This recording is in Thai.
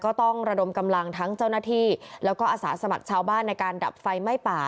ก็ต้องระดมกำลังทั้งเจ้าหน้าที่แล้วก็อาสาสมัครชาวบ้านในการดับไฟไหม้ป่า